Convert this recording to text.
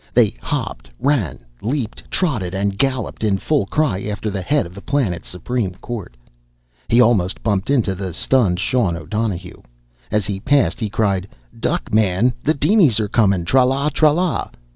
They hopped, ran, leaped, trotted and galloped in full cry after the head of the planet's supreme court. He almost bumped into the stunned Sean O'Donohue. As he passed, he cried: "Duck, man! The dinies are comin' tra la, tra la!"